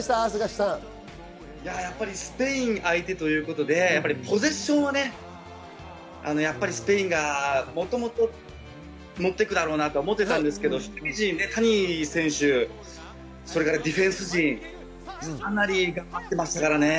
スペインが相手ということでポゼッションはスペインが持っていくだろうなとは思ってたんですけど、谷選手、それからディフェンス陣、かなり頑張っていましたからね。